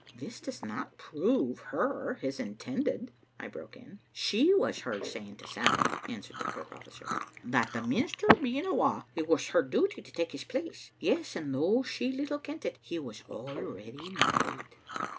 " This does not prove her his intended," I broke in. " She was heard saying to Sam'l," answered the kirk officer, " that the minister being awa, it was her duty to take his place. Yes, and though she little kent it, he was already married.